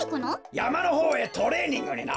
やまのほうへトレーニングにな。